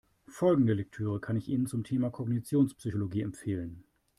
Folgende Lektüre kann ich Ihnen zum Thema Kognitionspsychologie empfehlen.